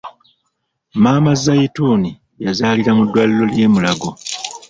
Maama "Zaituni,' yazalira mu ddwaliro ly'e mulago.